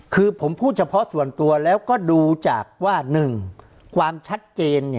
คือผมพูดเฉพาะส่วนตัวแล้วก็ดูจากว่า๑ความชัดเจน